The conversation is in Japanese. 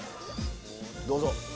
どうぞ。